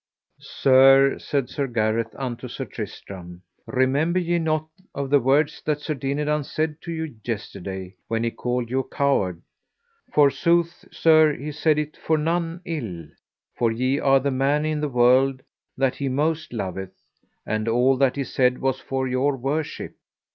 Sir, said Sir Gareth unto Sir Tristram, remember ye not of the words that Sir Dinadan said to you yesterday, when he called you a coward; forsooth, sir, he said it for none ill, for ye are the man in the world that he most loveth, and all that he said was for your worship.